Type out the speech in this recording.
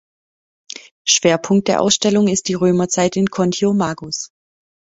Schwerpunkt der Ausstellung ist die Römerzeit in Contiomagus.